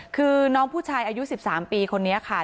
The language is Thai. คือน้องผู้ชายอายุ๑๓ปีคนนี้ค่ะ